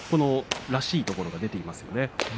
らしいところが出ていますよね。